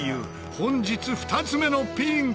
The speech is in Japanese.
本日２つ目のピンク！